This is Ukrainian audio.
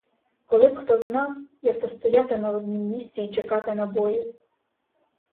Коли б хто знав, як то стояти на однім місці й чекати набоїв!